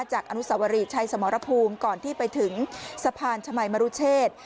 อนุสวรีชัยสมรภูมิก่อนที่ไปถึงสะพานชมัยมรุเชษ